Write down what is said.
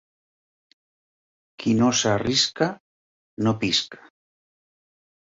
Qui no s'arrisca, no pisca!